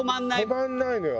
止まんないのよ。